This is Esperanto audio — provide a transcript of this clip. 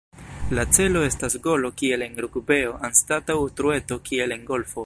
La celo estas golo kiel en rugbeo anstataŭ trueto kiel en golfo.